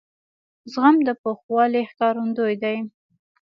زغم د پوخوالي ښکارندوی دی.